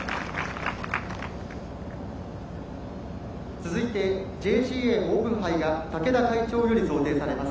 続いてＪＧＡオープン杯が竹田会長より贈呈されます。